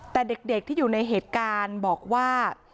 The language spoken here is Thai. แต่เด็กที่อยู่ในเหตุการณ์บอกว่า